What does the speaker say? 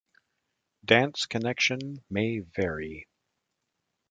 Dance connection may vary.